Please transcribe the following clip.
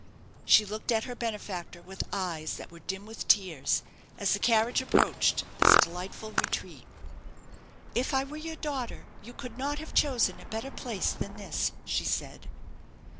She looked at her benefactor with eyes that were dim with tears, as the carriage approached this delightful retreat. "If I were your daughter, you could not have chosen a better place than this," she said.